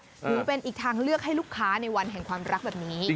ถือเป็นอีกทางเลือกให้ลูกค้าในวันแห่งความรักแบบนี้